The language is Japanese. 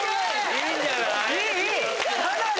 いいんじゃない？